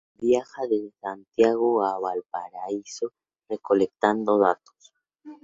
Viaja de Santiago a Valparaíso recolectando datos.